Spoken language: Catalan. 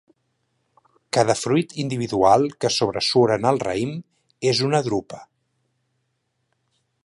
Cada fruit individual que sobresurt en el raïm és una drupa.